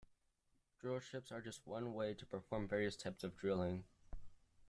Drillships are just one way to perform various types of drilling.